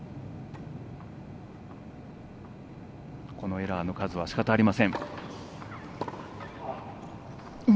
エラーの数はしかたありません。